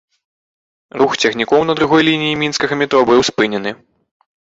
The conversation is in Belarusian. Рух цягнікоў на другой лініі мінскага метро быў спынены.